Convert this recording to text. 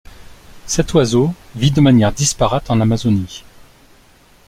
Cet oiseau vit de manière disparate en Amazonie.